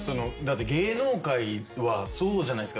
芸能界はそうじゃないですか。